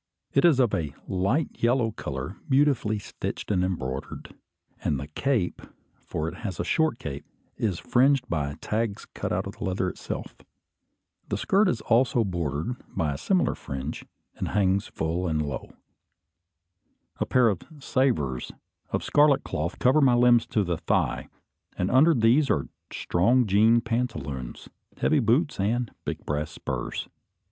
It is of a light yellow colour, beautifully stitched and embroidered; and the cape, for it has a short cape, is fringed by tags cut out of the leather itself. The skirt is also bordered by a similar fringe, and hangs full and low. A pair of "savers" of scarlet cloth cover my limbs to the thigh; and under these are strong jean pantaloons, heavy boots, and big brass spurs.